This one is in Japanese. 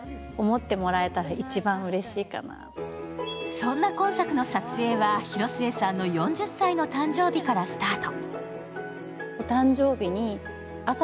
そんな今作の撮影は広末さんの４０歳の誕生日からスタート。